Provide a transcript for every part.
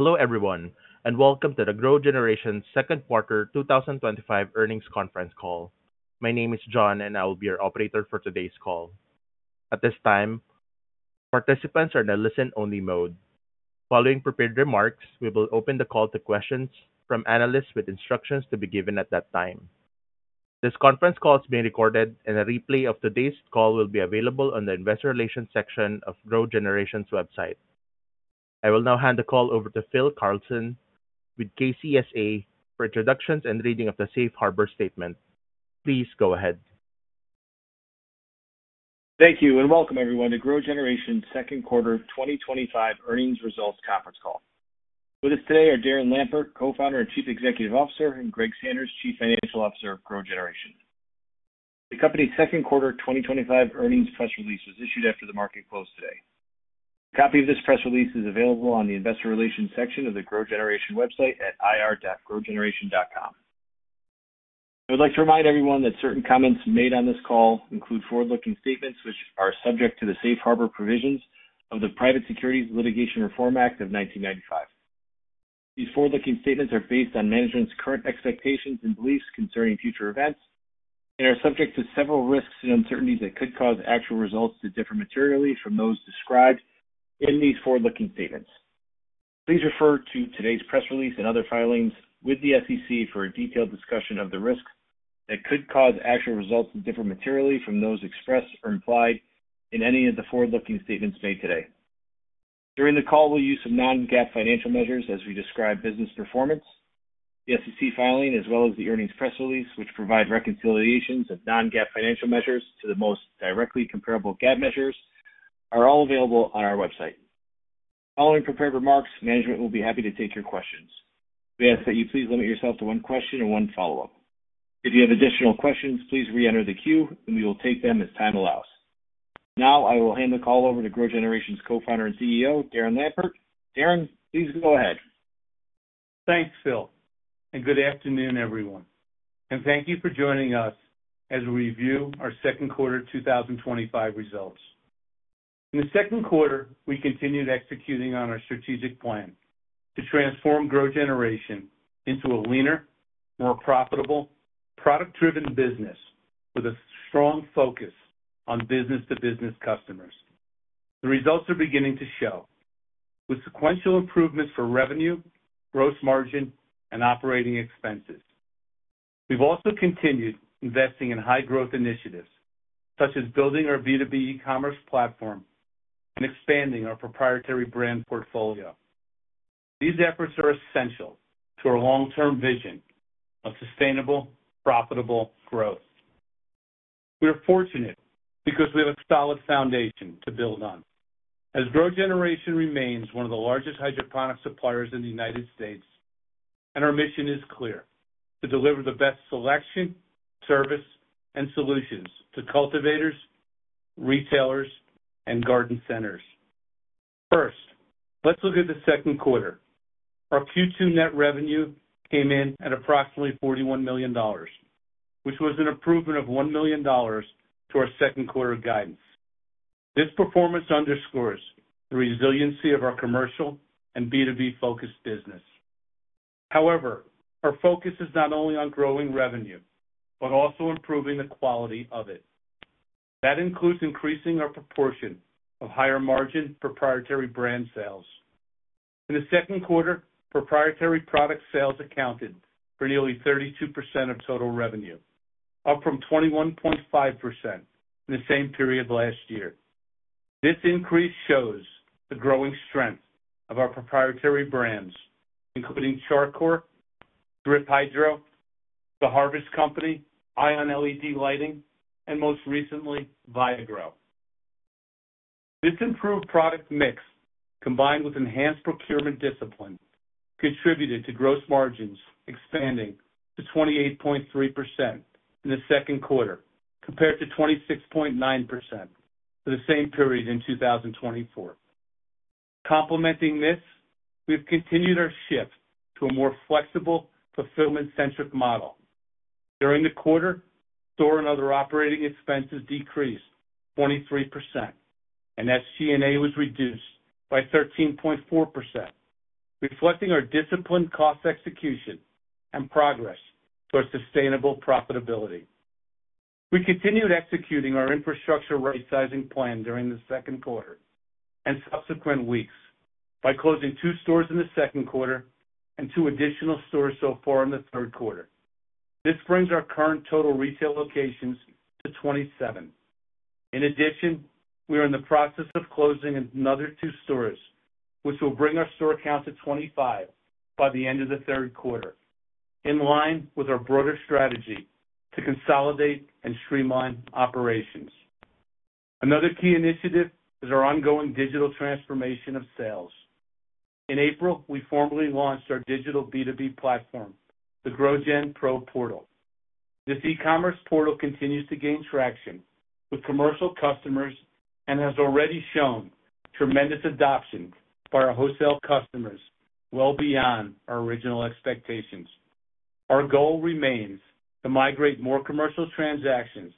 Hello everyone, and welcome to GrowGeneration's Second Quarter 2025 Earnings Conference Call. My name is John, and I will be your operator for today's call. At this time, participants are in a listen-only mode. Following prepared remarks, we will open the call to questions from analysts with instructions to be given at that time. This conference call is being recorded, and a replay of today's call will be available on the Investor Relations section of GrowGeneration's website. I will now hand the call over to Phil Carlson with KCSA Strategic Communications for introductions and reading of the Safe Harbor statement. Please go ahead. Thank you, and welcome everyone to GrowGeneration's Second Quarter 2025 Earnings Results Conference Call. With us today are Darren Lampert, Co-Founder and Chief Executive Officer, and Greg Sanders, Chief Financial Officer of GrowGeneration. The company's Second Quarter 2025 Earnings Press Release was issued after the market closed today. A copy of this press release is available on the Investor Relations section of the GrowGeneration website at ir.growgeneration.com. I would like to remind everyone that certain comments made on this call include forward-looking statements which are subject to the Safe Harbor provisions of the Private Securities Litigation Reform Act of 1995. These forward-looking statements are based on management's current expectations and beliefs concerning future events and are subject to several risks and uncertainties that could cause actual results to differ materially from those described in these forward-looking statements. Please refer to today's press release and other filings with the SEC for a detailed discussion of the risks that could cause actual results to differ materially from those expressed or implied in any of the forward-looking statements made today. During the call, we'll use some non-GAAP financial measures as we describe business performance. The SEC filing, as well as the earnings press release, which provide reconciliations of non-GAAP financial measures to the most directly comparable GAAP measures, are all available on our website. Following prepared remarks, management will be happy to take your questions. We ask that you please limit yourself to one question and one follow-up. If you have additional questions, please re-enter the queue, and we will take them as time allows. Now, I will hand the call over to GrowGeneration's Co-Founder and CEO, Darren Lampert. Darren, please go ahead. Thanks, Phil, and good afternoon, everyone. Thank you for joining us as we review our second quarter 2025 results. In the second quarter, we continued executing on our strategic plan to transform GrowGeneration into a leaner, more profitable, product-driven business with a strong focus on B2B customers. The results are beginning to show, with sequential improvements for revenue, gross margin, and operating expenses. We've also continued investing in high-growth initiatives, such as building our B2B e-commerce platform and expanding our proprietary brand portfolio. These efforts are essential to our long-term vision of sustainable, profitable growth. We are fortunate because we have a solid foundation to build on, as GrowGeneration remains one of the largest hydroponics suppliers in the United States, and our mission is clear: to deliver the best selection, service, and solutions to cultivators, retailers, and garden centers. First, let's look at the second quarter. Our Q2 net revenue came in at approximately $41 million, which was an improvement of $1 million to our second quarter guidance. This performance underscores the resiliency of our commercial and B2B-focused business. However, our focus is not only on growing revenue, but also improving the quality of it. That includes increasing our proportion of higher margin proprietary brand sales. In the second quarter, proprietary product sales accounted for nearly 32% of total revenue, up from 21.5% in the same period last year. This increase shows the growing strength of our proprietary brands, including Char Coir, Drip Hydro, The Harvest Company, Ion LED Lighting, and most recently, ViaGro. This improved product mix, combined with enhanced procurement discipline, contributed to gross margins expanding to 28.3% in the second quarter, compared to 26.9% for the same period in 2024. Complementing this, we've continued our shift to a more flexible, fulfillment-centric model. During the quarter, store and other operating expenses decreased 23%, and SG&A was reduced by 13.4%, reflecting our disciplined cost execution and progress towards sustainable profitability. We continued executing our infrastructure rightsizing plan during the second quarter and subsequent weeks by closing two stores in the second quarter and two additional stores so far in the third quarter. This brings our current total retail locations to 27. In addition, we are in the process of closing another two stores, which will bring our store count to 25 by the end of the third quarter, in line with our broader strategy to consolidate and streamline operations. Another key initiative is our ongoing digital transformation of sales. In April, we formally launched our digital B2B platform, the GrowGen Pro Portal. This e-commerce portal continues to gain traction with commercial customers and has already shown tremendous adoption by our wholesale customers, well beyond our original expectations. Our goal remains to migrate more commercial transactions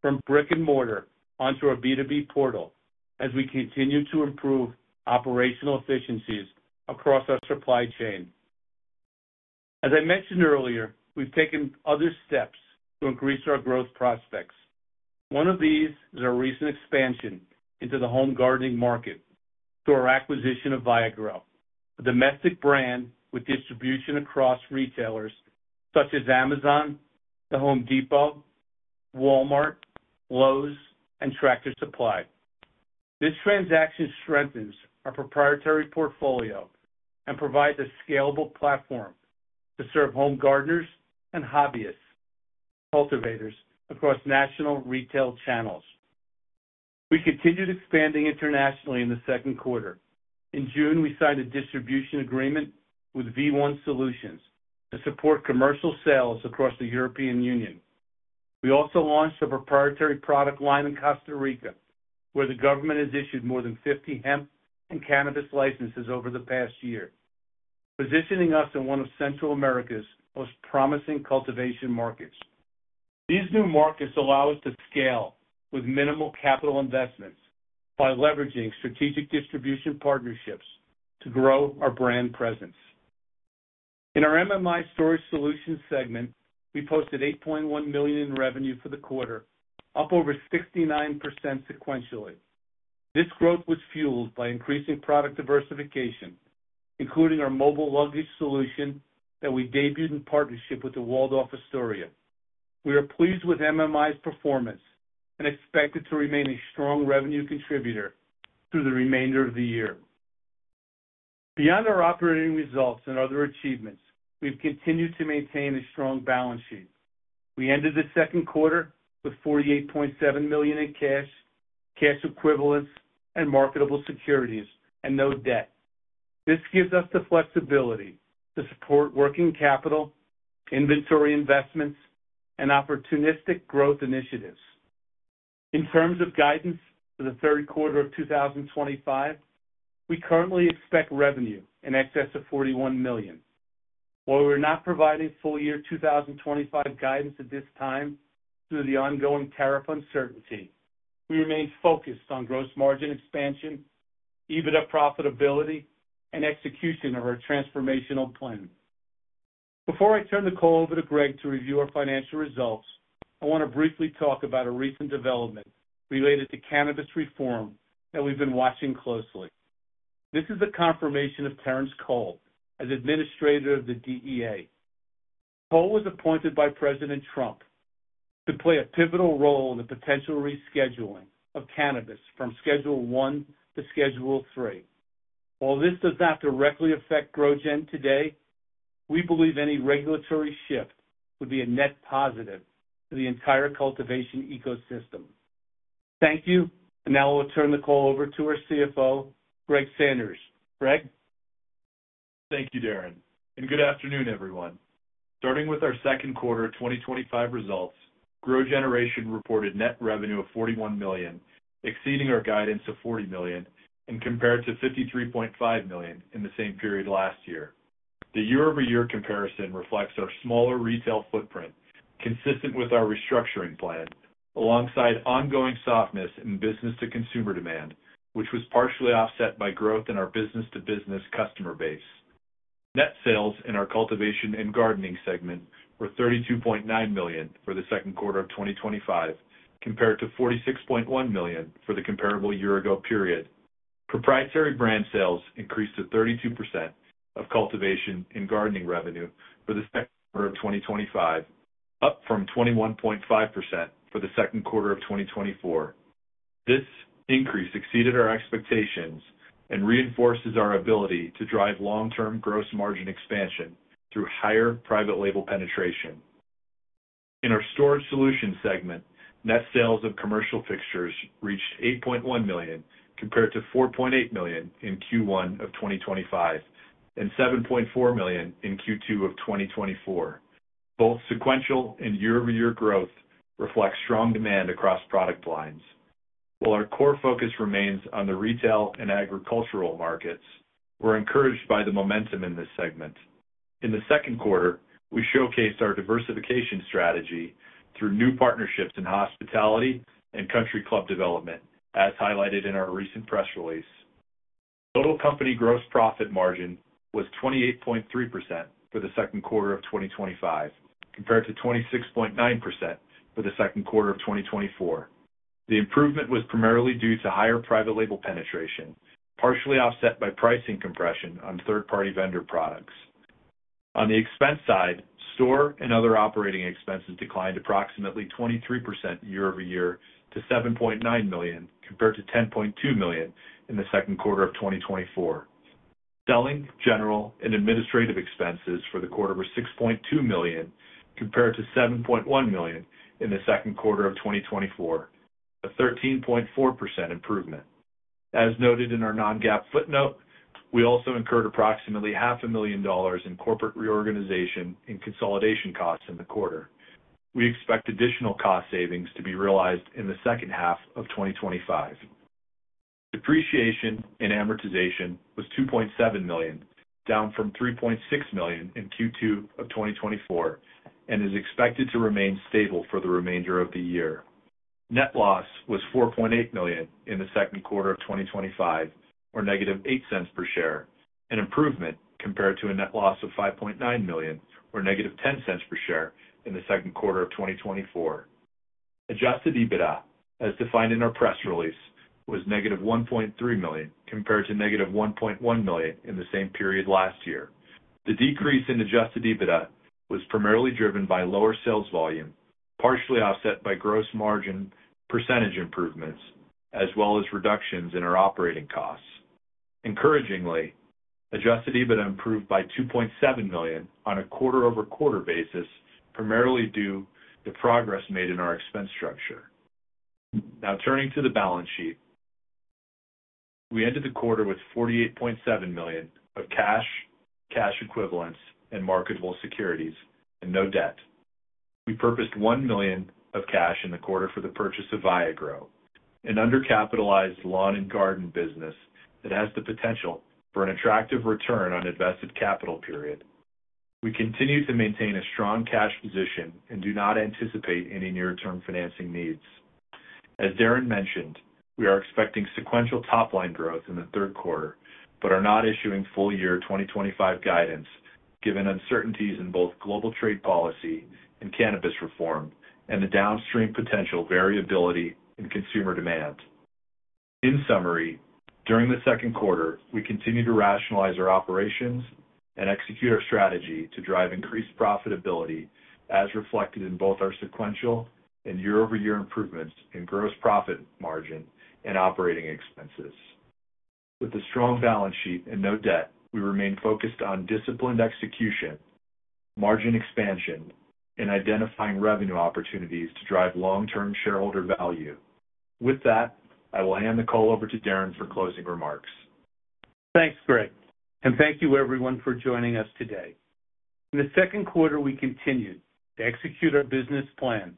from brick and mortar onto our B2B portal as we continue to improve operational efficiencies across our supply chain. As I mentioned earlier, we've taken other steps to increase our growth prospects. One of these is our recent expansion into the home gardening market through our acquisition of ViaGro, a domestic brand with distribution across retailers such as Amazon, The Home Depot, Walmart, Lowe's, and Tractor Supply. This transaction strengthens our proprietary portfolio and provides a scalable platform to serve home gardeners and hobbyists, cultivators, across national retail channels. We continued expanding internationally in the second quarter. In June, we signed a distribution agreement with V1 Solutions to support commercial sales across the European Union. We also launched a proprietary product line in Costa Rica, where the government has issued more than 50 hemp and cannabis licenses over the past year, positioning us in one of Central America's most promising cultivation markets. These new markets allow us to scale with minimal capital investments by leveraging strategic distribution partnerships to grow our brand presence. In our MMI Storage Solutions segment, we posted $8.1 million in revenue for the quarter, up over 69% sequentially. This growth was fueled by increasing product diversification, including our mobile luggage solution that we debuted in partnership with the Waldorf Astoria. We are pleased with MMI's performance and expect it to remain a strong revenue contributor through the remainder of the year. Beyond our operating results and other achievements, we've continued to maintain a strong balance sheet. We ended the second quarter with $48.7 million in cash, cash equivalents, and marketable securities, and no debt. This gives us the flexibility to support working capital, inventory investments, and opportunistic growth initiatives. In terms of guidance for the third quarter of 2025, we currently expect revenue in excess of $41 million. While we're not providing full-year 2025 guidance at this time due to the ongoing tariff uncertainty, we remain focused on gross margin expansion, EBITDA profitability, and execution of our transformational plan. Before I turn the call over to Greg to review our financial results, I want to briefly talk about a recent development related to cannabis reform that we've been watching closely. This is the confirmation of Terrence Cole as Administrator of the DEA. Cole was appointed by President Trump to play a pivotal role in the potential rescheduling of cannabis from Schedule I to Schedule III. While this does not directly affect GrowGeneration today, we believe any regulatory shift would be a net positive for the entire cultivation ecosystem. Thank you, and now I'll turn the call over to our CFO, Greg Sanders. Greg? Thank you, Darren, and good afternoon, everyone. Starting with our second quarter 2025 results, GrowGeneration reported net revenue of $41 million, exceeding our guidance of $40 million and compared to $53.5 million in the same period last year. The year-over-year comparison reflects our smaller retail footprint, consistent with our restructuring plan, alongside ongoing softness in business-to-consumer demand, which was partially offset by growth in our B2B customer base. Net sales in our cultivation and gardening segment were $32.9 million for the second quarter of 2025, compared to $46.1 million for the comparable year-ago period. Proprietary brand sales increased to 32% of cultivation and gardening revenue for the second quarter of 2025, up from 21.5% for the second quarter of 2024. This increase exceeded our expectations and reinforces our ability to drive long-term gross margin expansion through higher private label penetration. In our storage solutions segment, net sales of commercial fixtures reached $8.1 million, compared to $4.8 million in Q1 of 2025, and $7.4 million in Q2 of 2024. Both sequential and year-over-year growth reflect strong demand across product lines. While our core focus remains on the retail and agricultural markets, we're encouraged by the momentum in this segment. In the second quarter, we showcased our diversification strategy through new partnerships in hospitality and country club development, as highlighted in our recent press release. Total company gross profit margin was 28.3% for the second quarter of 2025, compared to 26.9% for the second quarter of 2024. The improvement was primarily due to higher private label penetration, partially offset by pricing compression on third-party vendor products. On the expense side, store and other operating expenses declined approximately 23% year-over-year to $7.9 million, compared to $10.2 million in the second quarter of 2024. Selling, general, and administrative expenses for the quarter were $6.2 million, compared to $7.1 million in the second quarter of 2024, a 13.4% improvement. As noted in our non-GAAP footnote, we also incurred approximately $0.5 million in corporate reorganization and consolidation costs in the quarter. We expect additional cost savings to be realized in the second half of 2025. Depreciation and amortization was $2.7 million, down from $3.6 million in Q2 of 2024, and is expected to remain stable for the remainder of the year. Net loss was $4.8 million in the second quarter of 2025, or -$0.08 per share, an improvement compared to a net loss of $5.9 million, or -$0.10 per share, in the second quarter of 2024. Adjusted EBITDA, as defined in our press release, was negative $1.3 million, compared to negative $1.1 million in the same period last year. The decrease in adjusted EBITDA was primarily driven by lower sales volume, partially offset by gross margin % improvements, as well as reductions in our operating costs. Encouragingly, adjusted EBITDA improved by $2.7 million on a quarter-over-quarter basis, primarily due to progress made in our expense structure. Now, turning to the balance sheet, we ended the quarter with $48.7 million of cash, cash equivalents, and marketable securities, and no debt. We purchased $1 million of cash in the quarter for the purchase of ViaGro, an undercapitalized lawn and garden business that has the potential for an attractive return on invested capital. We continue to maintain a strong cash position and do not anticipate any near-term financing needs. As Darren mentioned, we are expecting sequential top-line growth in the third quarter, but are not issuing full-year 2025 guidance given uncertainties in both global trade policy and cannabis reform and the downstream potential variability in consumer demand. In summary, during the second quarter, we continue to rationalize our operations and execute our strategy to drive increased profitability, as reflected in both our sequential and year-over-year improvements in gross profit margin and operating expenses. With a strong balance sheet and no debt, we remain focused on disciplined execution, margin expansion, and identifying revenue opportunities to drive long-term shareholder value. With that, I will hand the call over to Darren for closing remarks. Thanks, Greg, and thank you, everyone, for joining us today. In the second quarter, we continued to execute our business plan,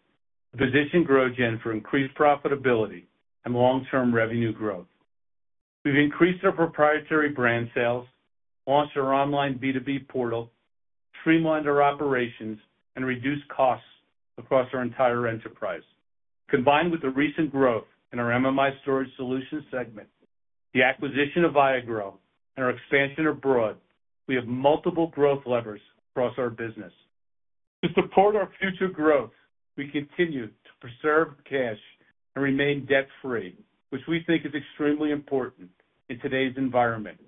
positioning GrowGeneration for increased profitability and long-term revenue growth. We've increased our proprietary brand sales, launched our online B2B portal, streamlined our operations, and reduced costs across our entire enterprise. Combined with the recent growth in our MMI Storage Solutions segment, the acquisition of ViaGro, and our expansion abroad, we have multiple growth levers across our business. To support our future growth, we continue to preserve cash and remain debt-free, which we think is extremely important in today's environment.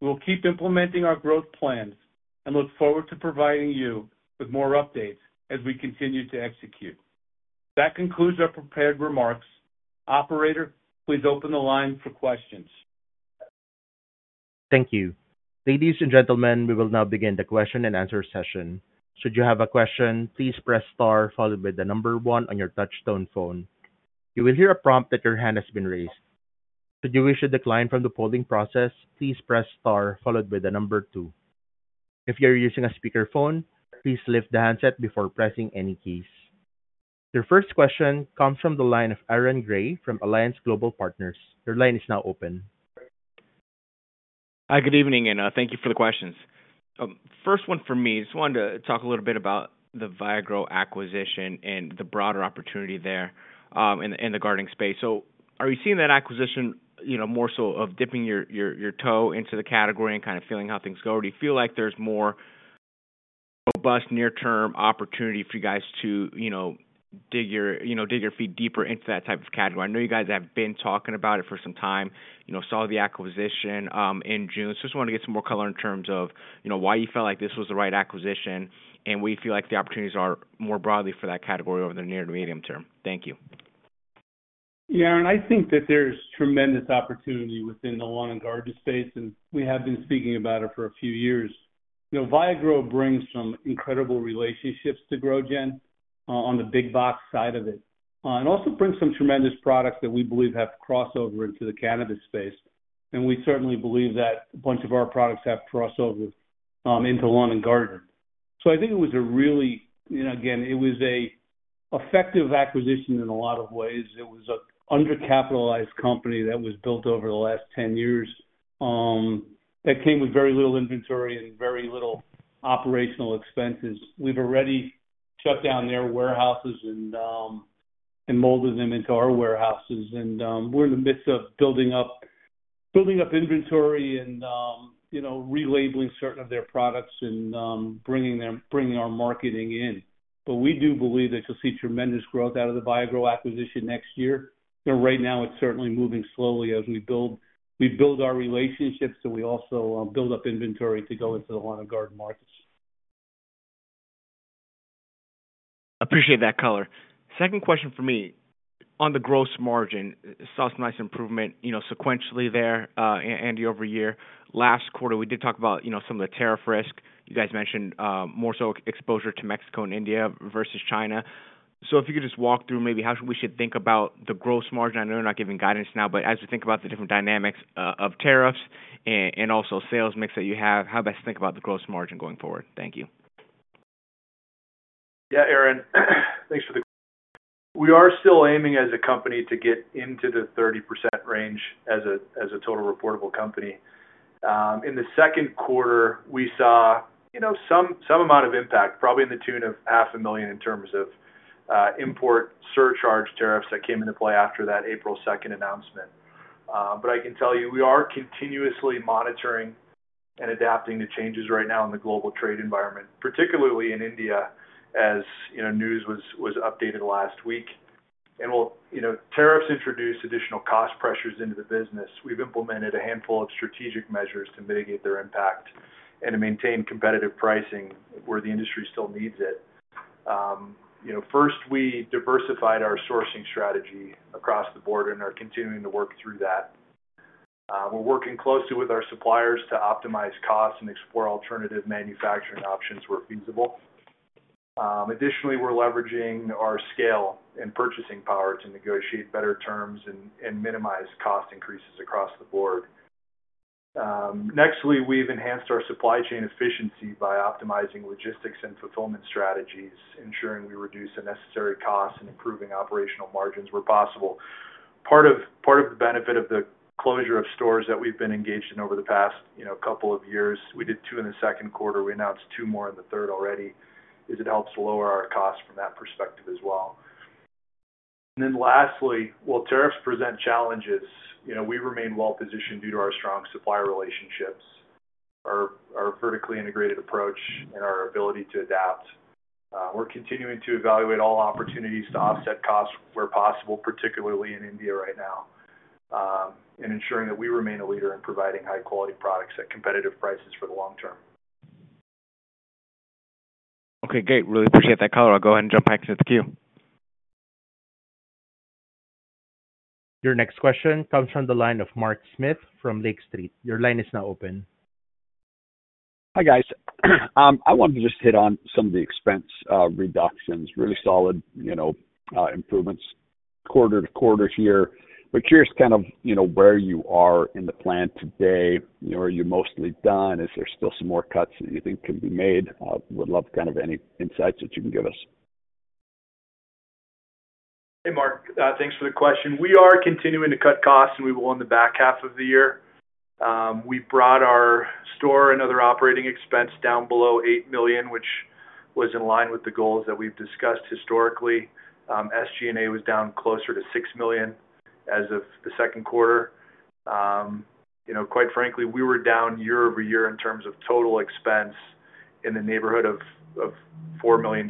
We'll keep implementing our growth plans and look forward to providing you with more updates as we continue to execute. That concludes our prepared remarks. Operator, please open the line for questions. Thank you. Ladies and gentlemen, we will now begin the question and answer session. Should you have a question, please press star followed by the number one on your touch-tone phone. You will hear a prompt that your hand has been raised. Should you wish to decline from the polling process, please press star followed by the number two. If you're using a speakerphone, please lift the handset before pressing any keys. Your first question comes from the line of Aaron Grey from Alliance Global Partners. Your line is now open. Hi, good evening, and thank you for the questions. First one for me, I just wanted to talk a little bit about the ViaGro acquisition and the broader opportunity there in the gardening space. Are you seeing that acquisition more so of dipping your toe into the category and kind of feeling how things go? Do you feel like there's more robust near-term opportunity for you guys to dig your feet deeper into that type of category? I know you guys have been talking about it for some time. You saw the acquisition in June. I just want to get some more color in terms of why you felt like this was the right acquisition and what you feel like the opportunities are more broadly for that category over the near to medium term. Thank you. Yeah, I think that there's tremendous opportunity within the lawn and garden space, and we have been speaking about it for a few years. ViaGro brings some incredible relationships to GrowGeneration on the big box side of it. It also brings some tremendous products that we believe have crossover into the cannabis space. We certainly believe that a bunch of our products have crossover into lawn and garden. I think it was a really, you know, again, it was an effective acquisition in a lot of ways. It was an undercapitalized company that was built over the last 10 years that came with very little inventory and very little operational expenses. We've already shut down their warehouses and molded them into our warehouses, and we're in the midst of building up inventory and relabeling certain of their products and bringing our marketing in. We do believe that you'll see tremendous growth out of the ViaGro acquisition next year. Right now, it's certainly moving slowly as we build our relationships and we also build up inventory to go into the lawn and garden markets. I appreciate that color. Second question for me, on the gross margin, saw some nice improvement, you know, sequentially there, and year-over-year. Last quarter, we did talk about, you know, some of the tariff risk. You guys mentioned more so exposure to Mexico and India versus China. If you could just walk through maybe how we should think about the gross margin. I know you're not giving guidance now, but as we think about the different dynamics of tariffs and also sales mix that you have, how best to think about the gross margin going forward. Thank you. Yeah, Aaron, thanks for the question. We are still aiming as a company to get into the 30% range as a total reportable company. In the second quarter, we saw some amount of impact, probably in the tune of $0.5 million in terms of import surcharge tariffs that came into play after that April 2nd announcement. I can tell you we are continuously monitoring and adapting to changes right now in the global trade environment, particularly in India, as news was updated last week. Tariffs introduce additional cost pressures into the business. We've implemented a handful of strategic measures to mitigate their impact and to maintain competitive pricing where the industry still needs it. First, we diversified our sourcing strategy across the board and are continuing to work through that. We're working closely with our suppliers to optimize costs and explore alternative manufacturing options where feasible. Additionally, we're leveraging our scale and purchasing power to negotiate better terms and minimize cost increases across the board. Next, we've enhanced our supply chain efficiency by optimizing logistics and fulfillment strategies, ensuring we reduce unnecessary costs and improving operational margins where possible. Part of the benefit of the closure of stores that we've been engaged in over the past couple of years, we did two in the second quarter. We announced two more in the third already. It helps lower our costs from that perspective as well. Lastly, while tariffs present challenges, we remain well-positioned due to our strong supplier relationships, our vertically integrated approach, and our ability to adapt. We're continuing to evaluate all opportunities to offset costs where possible, particularly in India right now, and ensuring that we remain a leader in providing high-quality products at competitive prices for the long term. Okay, great. Really appreciate that color. I'll go ahead and jump back to the queue. Your next question comes from the line of Mark Smith from Lake Street Capital Markets. Your line is now open. Hi, guys. I wanted to just hit on some of the expense reductions, really solid improvements quarter to quarter here. We're curious where you are in the plan today. Are you mostly done? Is there still some more cuts that you think can be made? I would love any insights that you can give us. Hey, Mark. Thanks for the question. We are continuing to cut costs, and we will in the back half of the year. We brought our store and other operating expense down below $8 million, which was in line with the goals that we've discussed historically. SG&A was down closer to $6 million as of the second quarter. Quite frankly, we were down year over year in terms of total expense in the neighborhood of $4 million+.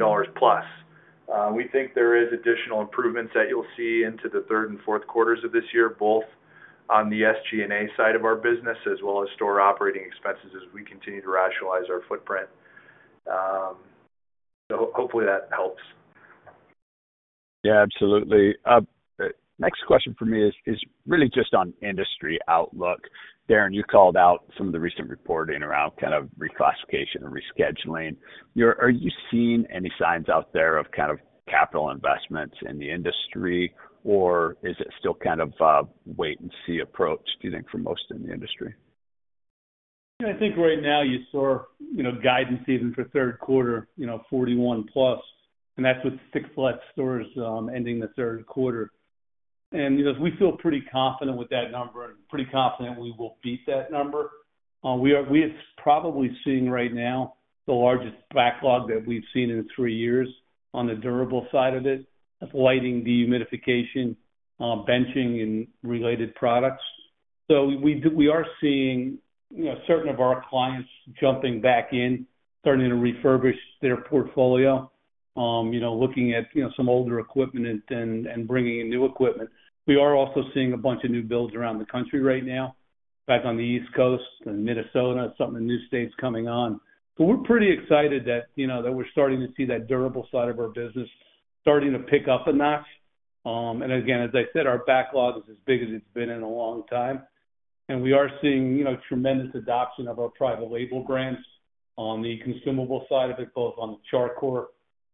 We think there are additional improvements that you'll see into the third and fourth quarters of this year, both on the SG&A side of our business as well as store operating expenses as we continue to rationalize our footprint. Hopefully that helps. Yeah, absolutely. Next question for me is really just on industry outlook. Darren, you called out some of the recent reporting around kind of reclassification and rescheduling. Are you seeing any signs out there of kind of capital investments in the industry, or is it still kind of a wait-and-see approach, do you think, for most in the industry? I think right now you saw guidance even for third quarter, $41 million+, and that's with six flat stores ending the third quarter. We feel pretty confident with that number and pretty confident we will beat that number. We have probably seen right now the largest backlog that we've seen in three years on the durable side of it, lighting, dehumidification, benching, and related products. We are seeing certain of our clients jumping back in, starting to refurbish their portfolio, looking at some older equipment and bringing in new equipment. We are also seeing a bunch of new builds around the country right now, back on the East Coast and Minnesota, some of the new states coming on. We're pretty excited that we're starting to see that durable side of our business starting to pick up a notch. As I said, our backlog is as big as it's been in a long time. We are seeing tremendous adoption of our private label brands on the consumable side of it, both on the Char Coir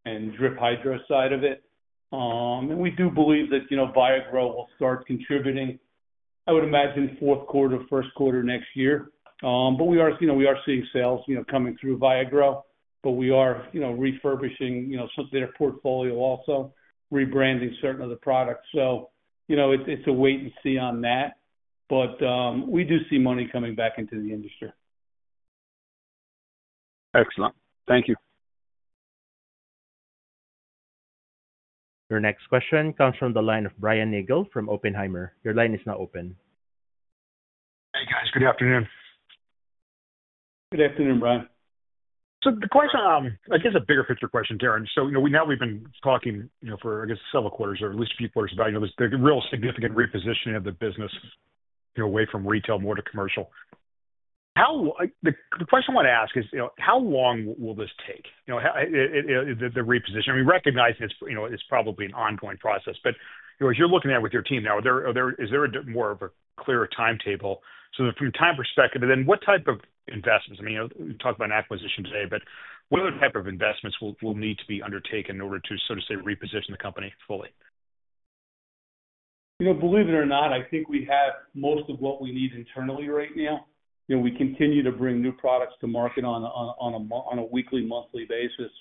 and Drip Hydro side of it. We do believe that ViaGro will start contributing, I would imagine, fourth quarter, first quarter next year. We are seeing sales coming through ViaGro, but we are refurbishing some of their portfolio also, rebranding certain of the products. It's a wait and see on that. We do see money coming back into the industry. Excellent. Thank you. Your next question comes from the line of Brian Nagel from Oppenheimer. Your line is now open. Hey, guys. Good afternoon. Good afternoon, Brian. The question, I guess, a bigger picture question, Darren. You know, now we've been talking for, I guess, several quarters or at least a few quarters about this big real significant repositioning of the business, you know, away from retail, more to commercial. The question I want to ask is, you know, how long will this take? The repositioning, we recognize it's probably an ongoing process. As you're looking at it with your team now, is there more of a clear timetable? From your time perspective, and then what type of investments? I mean, you talked about an acquisition today, but what other type of investments will need to be undertaken in order to sort of say reposition the company fully? Believe it or not, I think we have most of what we need internally right now. We continue to bring new products to market on a weekly, monthly basis.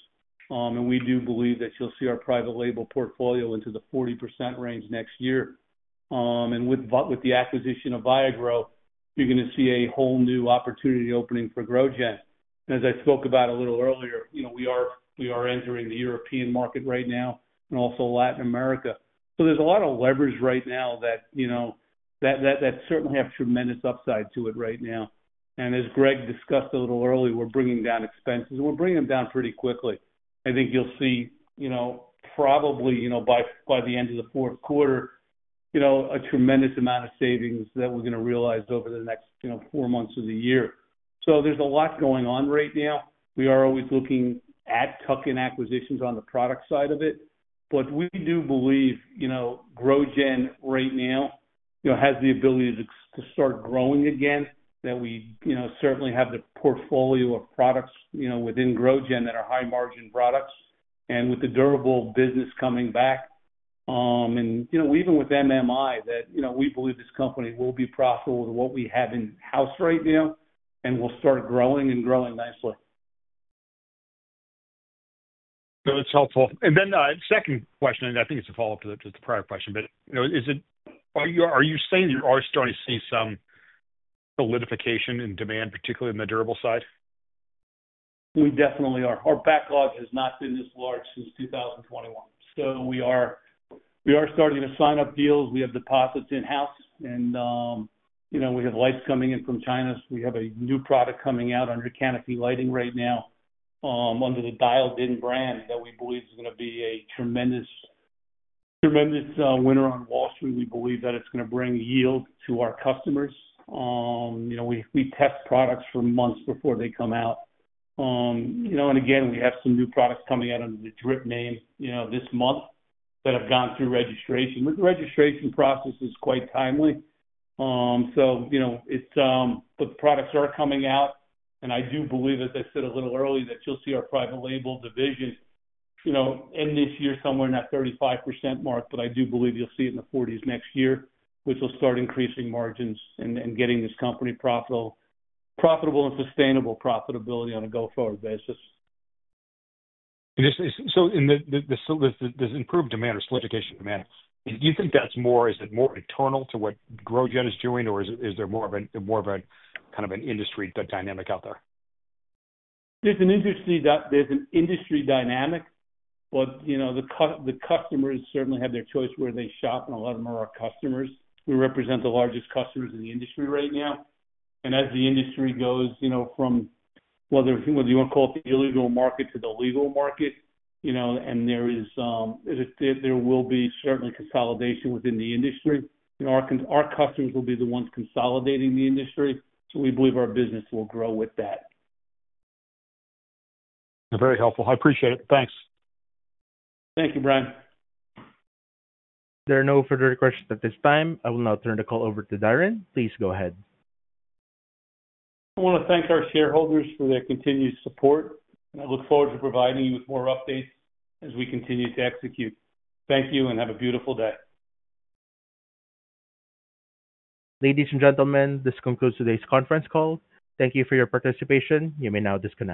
We do believe that you'll see our private label portfolio into the 40% range next year. With the acquisition of ViaGro, you're going to see a whole new opportunity opening for GrowGeneration. As I spoke about a little earlier, we are entering the European market right now and also Latin America. There are a lot of levers right now that certainly have tremendous upside to it. As Greg discussed a little earlier, we're bringing down expenses, and we're bringing them down pretty quickly. I think you'll see, probably by the end of the fourth quarter, a tremendous amount of savings that we're going to realize over the next four months of the year. There's a lot going on right now. We are always looking at tuck-in acquisitions on the product side of it. We do believe GrowGeneration right now has the ability to start growing again, that we certainly have the portfolio of products within GrowGeneration that are high-margin products. With the durable business coming back, and even with MMI, we believe this company will be profitable with what we have in-house right now, and we'll start growing and growing nicely. That's helpful. The second question, I think it's a follow-up to the prior question, but you know, are you saying that you are starting to see some solidification in demand, particularly in the durable side? We definitely are. Our backlog has not been this large since 2021. We are starting to sign up deals. We have deposits in-house, and we have lights coming in from China. We have a new product coming out under canopy lighting right now, under the Dialed In brand, that we believe is going to be a tremendous, tremendous winner on Wall Street. We believe that it's going to bring yield to our customers. We test products for months before they come out, and again, we have some new products coming out under the Drip Hydro name this month that have gone through registration. The registration process is quite timely, so the products are coming out. I do believe, as I said a little earlier, that you'll see our private label division end this year somewhere in that 35% mark. I do believe you'll see it in the 40% range next year, which will start increasing margins and getting this company profitable and sustainable profitability on a go-forward basis. Does improved demand or solidification of demand, do you think that's more, is it more internal to what GrowGeneration is doing, or is there more of a kind of an industry dynamic out there? There's an industry dynamic, but the customers certainly have their choice where they shop, and a lot of them are our customers. We represent the largest customers in the industry right now. As the industry goes from whether you want to call it the illegal market to the legal market, there will be certainly consolidation within the industry. Our customers will be the ones consolidating the industry. We believe our business will grow with that. Very helpful. I appreciate it. Thanks. Thank you, Brian. There are no further questions at this time. I will now turn the call over to Darren. Please go ahead. I want to thank our shareholders for their continued support. I look forward to providing you with more updates as we continue to execute. Thank you, and have a beautiful day. Ladies and gentlemen, this concludes today's conference call. Thank you for your participation. You may now disconnect.